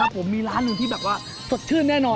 แล้วผมมีร้านที่สดชื่นแน่นอน